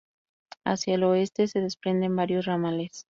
Hacia el oeste se desprenden varios ramales.